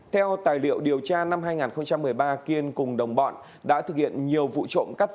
theo tài liệu điều tra năm hai nghìn một mươi ba kiên cùng đồng bọn đã thực hiện nhiều vụ trộm cắp